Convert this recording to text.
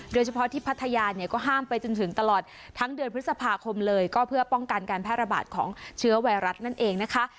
โดยเฉพาะที่พัทยาเนี่ยก็ห้ามไปจนถึงตลอดทั้งเดือนพฤษภาคมเลยก็เพื่อป้องกันการแพร่ระบาดของเชื้อไวรัสนั่นเองนะคะ